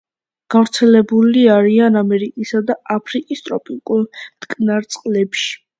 გავრცელებული არიან ამერიკისა და აფრიკის ტროპიკულ მტკნარ წყლებში.